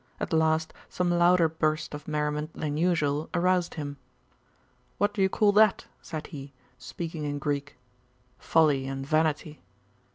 At last some louder burst of merriment than usual aroused him. 'What do you call that?' said he, speaking in Greek. 'Folly and vanity.